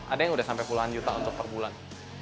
ada yang sudah sampai puluhan juta untuk perbulan